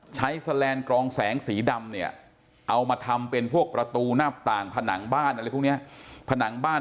ใช้แสลนกรองแสงสีดำเอามาทำเป็นพวกประตูหน้าต่างผนังบ้าน